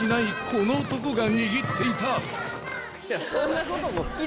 この男が握っていた有吉）